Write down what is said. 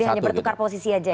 jadi hanya bertukar posisi aja ya